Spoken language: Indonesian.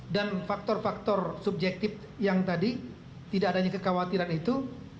dan faktor faktor subjektif yang tadi tidak adanya kekhawatiran itu